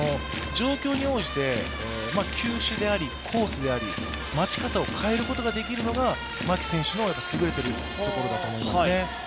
状況に応じて球種であり、コースであり、待ち方を変えることができるのが牧選手の優れているところだと思います。